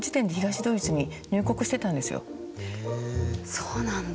そうなんだ。